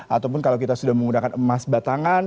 ataupun kalau kita sudah menggunakan emas batangan